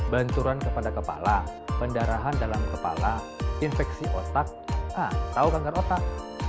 benturan kepada kepala pendarahan dalam kepala infeksi otak atau kanker otak